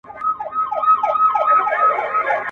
زه به خپل موبایل د مېز په سر کېږدم.